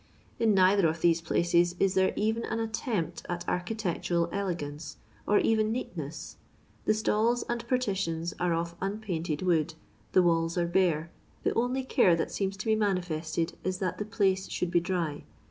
In neither of these places is there even an attempt at architectural elegance, or even nea^ ness. The stalls and partitions are of unpainted wood, the walls are bare, the only care that seems to be manifested is that the places should be dry.